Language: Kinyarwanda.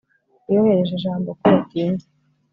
Yohereje ijambo ko yatinze